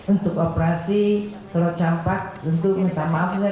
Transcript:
untuk operasi kalau campak tentu minta maafnya